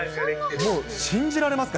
もう、信じられますか？